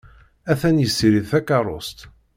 Atan yessirid takeṛṛust.